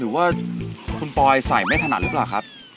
หรือว่าคุณปอยใส่ไม่ถนัดหรือเปล่าครับ